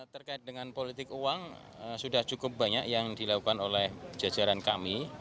terkait dengan politik uang sudah cukup banyak yang dilakukan oleh jajaran kami